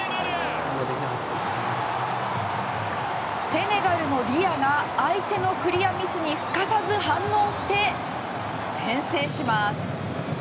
セネガルのディアが相手のクリアミスにすかさず反応して先制します。